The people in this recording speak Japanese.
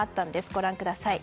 ご覧ください。